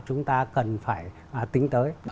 chúng ta cần phải tính tới